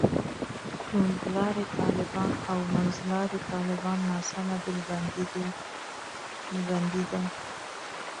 توندلاري طالبان او منځلاري طالبان ناسمه ډلبندي ده.